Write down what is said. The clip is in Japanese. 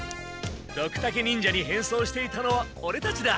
ドクタケ忍者に変装していたのはオレたちだ。